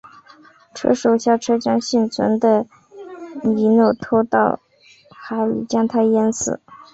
车手下车将幸存的尼诺拖到海里将他淹死。